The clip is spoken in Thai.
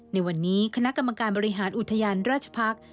ในวันนี้คณะกรรมการบริหารอุทยานราชพักษ์